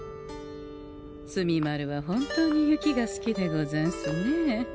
墨丸は本当に雪が好きでござんすねえ。